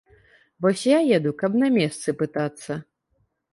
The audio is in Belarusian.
Вось я еду, каб на месцы пытацца.